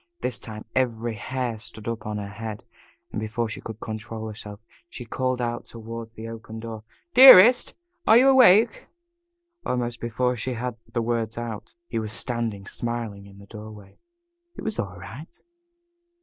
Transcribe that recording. This time every hair stood up on her head, and before she could control herself, she called out toward the open door: "Dearest, are you awake?" Almost before she had the words out he was standing smiling in the doorway. It was all right.